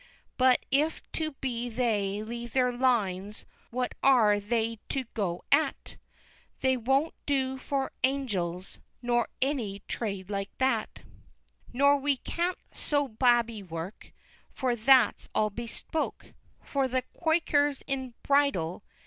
But if so be They leave their Lines what are they to go at They won't do for Angells nor any Trade like That, Nor we cant Sow Babby Work, for that's all Bespoke, For the Quakers in Bridle!